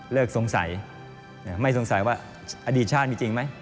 สงสัยไม่สงสัยว่าอดีตชาติมีจริงไหม